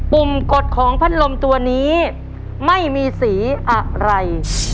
ุ่มกดของพัดลมตัวนี้ไม่มีสีอะไร